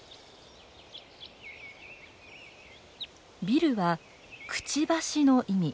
ビルは「くちばし」の意味。